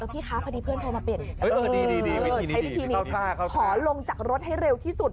พี่คะพอดีเพื่อนโทรมาเปลี่ยนใช้วิธีนี้ขอลงจากรถให้เร็วที่สุด